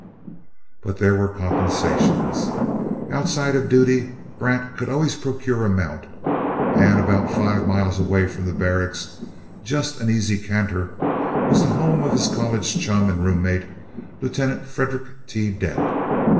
But there were compensations. Outside of duty, Grant could always procure a mount; and about five miles away from the Barracks just an easy canter was the home of his college chum and roommate, Lieut. Frederick T. Dent.